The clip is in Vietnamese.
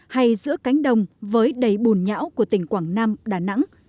hay giữa cánh đồng với đầy bùn nhão của tỉnh quảng nam đà nẵng